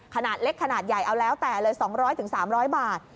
ขนาดเล็กขนาดใหญ่เอาแล้วแต่เลย๒๐๐๓๐๐บาท